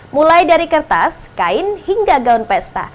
mulai dari kertas kain hingga gaun pesta